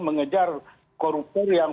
mengejar korupor yang